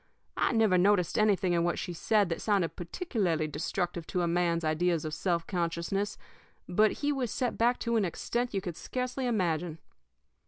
I never noticed anything in what she said that sounded particularly destructive to a man's ideas of self consciousness; but he was set back to an extent you could scarcely imagine.